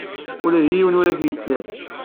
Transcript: Ula d yiwen ur k-yettir.